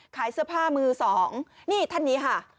ขายเสื้อผ้ามือสองนี่ท่านนี้ค่ะ